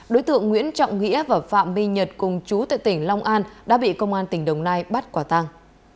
đối tượng nguyễn trọng nghĩa và phạm my nhật cùng chú tại tỉnh long an đã bị công an tỉnh đồng nai bắt quả tăng